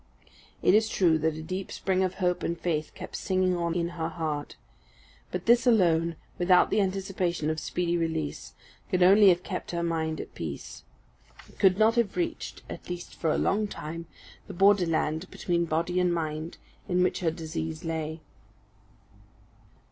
It is true that a deep spring of hope and faith kept singing on in her heart, but this alone, without the anticipation of speedy release, could only have kept her mind at peace. It could not have reached, at least for a long time, the border land between body and mind, in which her disease lay.